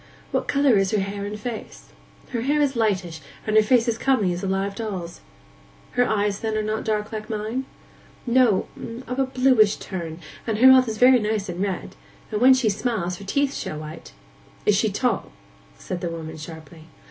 What colour is her hair and face?' 'Her hair is lightish, and her face as comely as a live doll's.' 'Her eyes, then, are not dark like mine?' 'No—of a bluish turn, and her mouth is very nice and red; and when she smiles, her teeth show white.' 'Is she tall?' said the woman sharply.